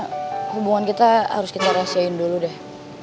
hubungan kita harus kita rahasiain dulu deh